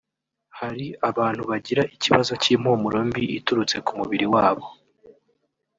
Hari abantu bagira ikibazo cy’impumuro mbi iturutse k’umubiri wabo